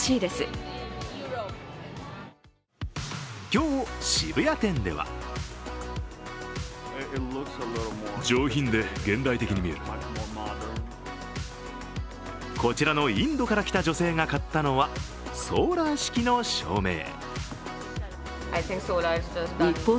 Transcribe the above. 今日、渋谷店ではこちらのインドから来た女性が買ったのはソーラー式の照明。